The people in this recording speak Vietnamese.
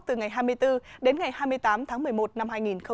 từ ngày hai mươi bốn đến ngày hai mươi tám tháng một mươi một năm hai nghìn hai mươi